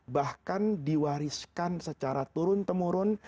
bahkan diwariskan secara turun temurun